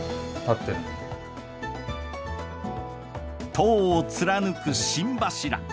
塔を貫く心柱。